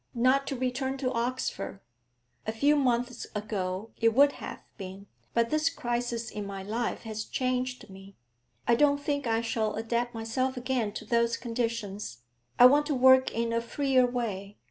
'Not to return to Oxford. A few months ago it would have been, but this crisis in my life has changed me. I don't think I shall adapt myself again to those conditions. I want to work in a freer way.